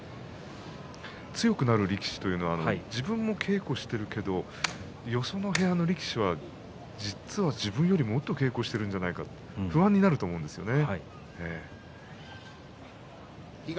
強くなる力士というのは自分も稽古しているけれどよその部屋の力士は実は自分よりもっと稽古してるじゃないかと不安になるんですよね。